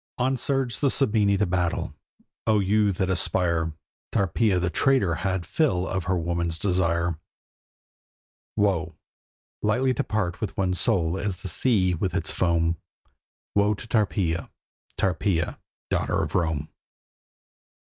On surged the Sabini to battle. O you that aspire! Tarpeia the traitor had fill of her woman's desire. Woe: lightly to part with one's soul as the sea with its foam! Woe to Tarpeia, Tarpeia, daughter of Rome!